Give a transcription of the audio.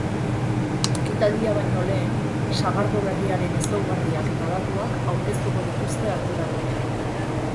Ekitaldia baino lehen sagardo berriaren ezaugarriak eta datuak aurkeztuko dituzte arduradunek.